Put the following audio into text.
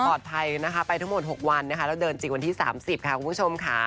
ปลอดภัยไปทั้งหมด๖วันเดินจิกวันที่๓๐ค่ะคุณผู้ชมค่ะ